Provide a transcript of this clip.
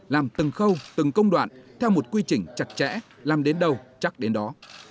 làm từng khâu từng công đoạn theo một quy trình chặt chẽ làm đến đâu chắc đến đó